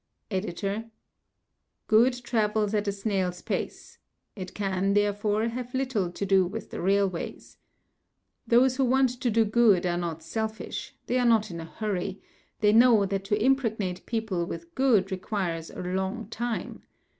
EDITOR: Good travels at a snail's pace it can, therefore, have little to do with the railways. Those who want to do good are not selfish, they are not in a hurry, they know that to impregnate people with good requires a long time.